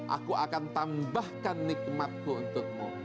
aku akan tambahkan nikmatku untukmu